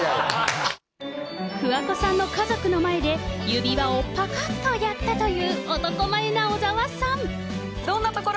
桑子さんの家族の前で指輪をぱかっとやったという男前な小澤さん。